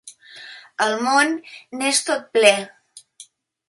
El món n'és tot ple.